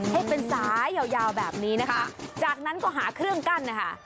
ให้เป็นสายยาวยาวแบบนี้นะคะจากนั้นก็หาเครื่องกั้นนะคะ